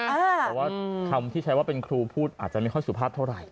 แต่ว่าคำที่ใช้ว่าเป็นครูพูดอาจจะไม่ค่อยสุภาพเท่าไหร่